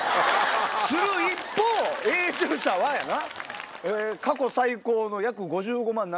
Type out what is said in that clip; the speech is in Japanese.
「する一方永住者は」やな。